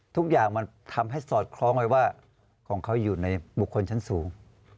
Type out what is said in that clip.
ทุกอย่างมันทำให้สอดคล้องเลยว่าของเขาอยู่ในบุคคลชั้นสูง